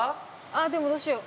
でもどうしよう。